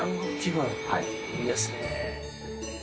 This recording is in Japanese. いいですね。